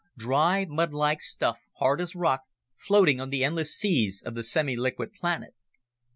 Dry, mudlike stuff, hard as rock, floating on the endless seas of the semiliquid planet.